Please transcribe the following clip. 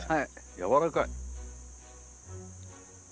やわらかい。